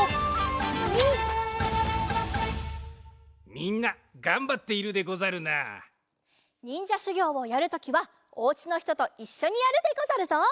みんながんばっているでござるな。にんじゃしゅぎょうをやるときはお家のひとといっしょにやるでござるぞ。